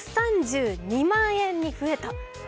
１３２万円に増えた。